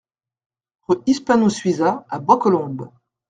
Rue Hispano Suiza à Bois-Colombes